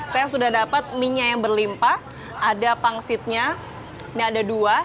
saya sudah dapat mie nya yang berlimpah ada pangsitnya ini ada dua